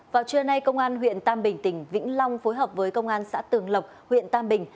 vào trưa nay công an huyện tam bình tỉnh vĩnh long phối hợp với công an xã tường lộc huyện tam bình